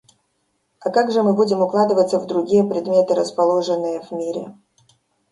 А как же мы будем укладываться в другие предметы, расположенные в мире?